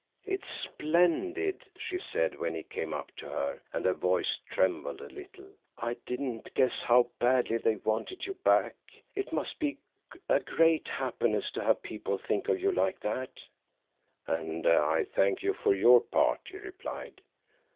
"It is splendid!" she said when he came up to her, and her voice trembled a little. "I didn't guess how badly they wanted you back. It must be a great happiness to have people think of you like that." "And I thank you for your part," he replied.